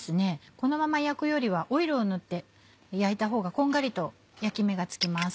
このまま焼くよりはオイルを塗って焼いたほうがこんがりと焼き目がつきます。